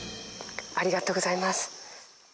ありがとうございます。